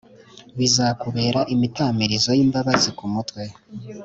Bizakubera imitamirizo y’imbabazi ku mutwe,